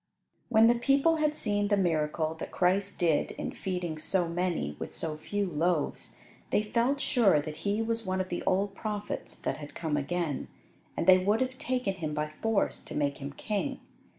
When the people had seen the miracle that Christ did in feeding so many with so few loaves, they felt sure that He was one of the old prophets that had come again, and they would have taken Him by force to make Him king.